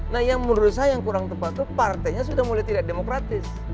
nah yang menurut saya yang kurang tepat itu partainya sudah mulai tidak demokratis